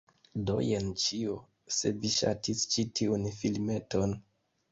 Do jen ĉio! Se vi ŝatis ĉi tiun filmeton